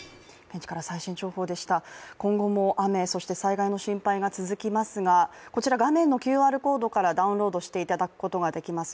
今後も雨、そして災害の心配が続きますが画面のＱＲコードからダウンロードしていただくことができます